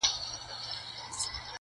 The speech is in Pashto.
په لېمو دي پوهومه،